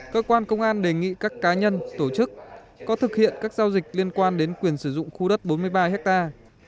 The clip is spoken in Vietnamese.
cơ quan công an đề nghị các cá nhân tổ chức có thực hiện các giao dịch liên quan đến quyền sử dụng khu đất bốn mươi ba hectare